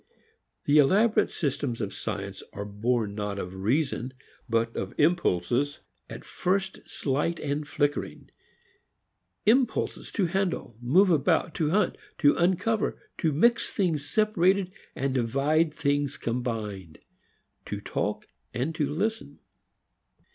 The elaborate systems of science are born not of reason but of impulses at first slight and flickering; impulses to handle, move about, to hunt, to uncover, to mix things separated and divide things combined, to talk and to listen.